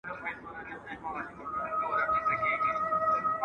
د هغوی په رڼا کې خپله لاره ومومئ.